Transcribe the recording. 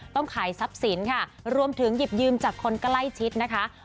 ต้องขายทรัพย์สินค่ะรวมถึงหยิบยืมจากคนใกล้ชิดนะคะ